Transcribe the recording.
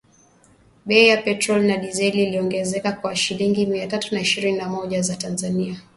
Bei ya petroli na dizeli iliongezeka kwa shilingi mia tatu na ishirini na moja za Tanzania